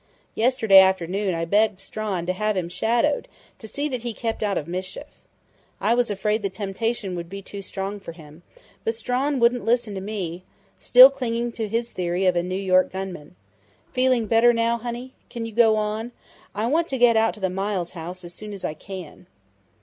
Yesterday afternoon I begged Strawn to have him shadowed to see that he kept out of mischief. I was afraid the temptation would be too strong for him, but Strawn wouldn't listen to me still clinging to his theory of a New York gunman.... Feeling better now, honey? Can you go on? I want to get out to the Miles house as soon as I can."